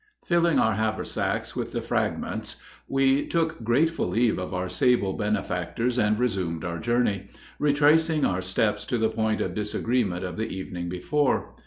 ] Filling our haversacks with the fragments, we took grateful leave of our sable benefactors and resumed our journey, retracing our steps to the point of disagreement of the evening before.